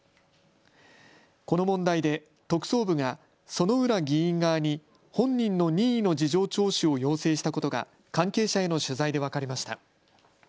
この問題で特捜部が薗浦議員側に本人の任意の事情聴取を要請したことが関係者への取材で分かりました。